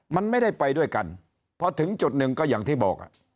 มันไม่ได้ไปด้วยกันพอถึงจุดหนึ่งก็อย่างที่บอก